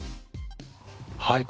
はい。